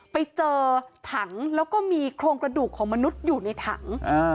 ไปเจอถังแล้วก็มีโครงกระดูกของมนุษย์อยู่ในถัง